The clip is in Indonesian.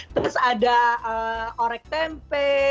terus ada orek tempe